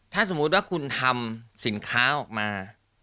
ถ้าสมมุติว่าคุณทำสินค้าออกมา